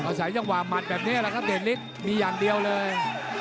เอาสายจังหวามัดแบบนี้แหละครับเตะนิดมีอย่างเดียวเลย